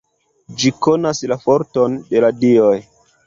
Ĝi konas la forton de la Dioj.